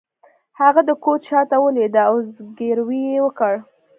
هغه د کوچ شاته ولویده او زګیروی یې وکړ